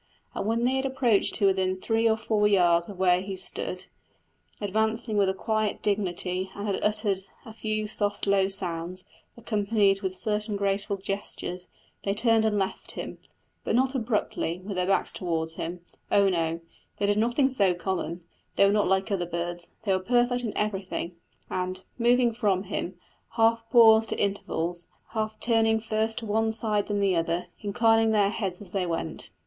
And when they had approached to within three or four yards of where he stood, advancing with a quiet dignity, and had then uttered a few soft low sounds, accompanied with certain graceful gestures, they turned and left him; but not abruptly, with their backs towards him oh, no, they did nothing so common; they were not like other birds they were perfect in everything; and, moving from him, half paused at intervals, half turning first to one side then the other, inclining their heads as they went.